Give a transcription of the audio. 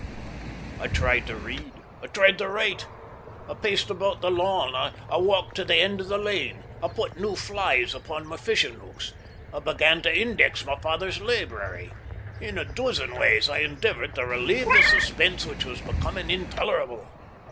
I tried to read, I tried to write, I paced about the lawn, I walked to the end of the lane, I put new flies upon my fishing hooks, I began to index my father's library in a dozen ways I endeavoured to relieve the suspense which was becoming intolerable.